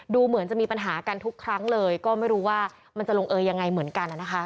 ดูเหมือนจะมีปัญหากันทุกครั้งเลยก็ไม่รู้ว่ามันจะลงเอยยังไงเหมือนกัน